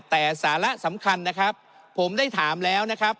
แต่สาระสำคัญนะครับผมได้ถามแล้วนะครับ